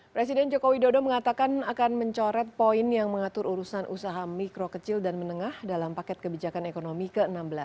presiden jokowi dodo mengatakan akan mencoret poin yang mengatur urusan usaha mikro kecil dan menengah dalam paket kebijakan ekonomi ke enam belas